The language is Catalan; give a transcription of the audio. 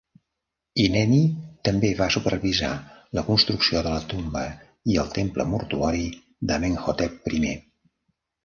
Ineni també va supervisar la construcció de la tomba i el temple mortuori d'Amenhotep I.